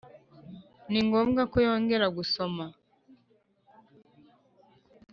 ni ngombwa ko yongera gusoma